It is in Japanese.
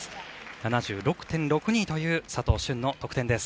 ７６．６２という佐藤駿の得点です。